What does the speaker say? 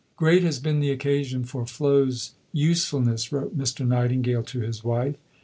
"Great has been the occasion for Flo's usefulness," wrote Mr. Nightingale to his wife.